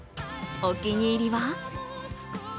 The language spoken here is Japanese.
お気に入りは？